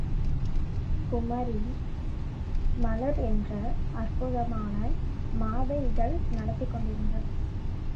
குமரி மலர் என்ற அற்புதமான மாத இதழ் நடத்திக் கொண்டிருந்தார்.